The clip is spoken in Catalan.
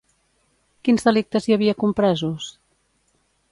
Quins delictes hi havia compresos?